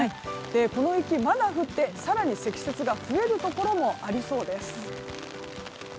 この雪、まだ降って更に積雪が増えるところもありそうです。